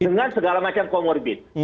dengan segala macam comorbid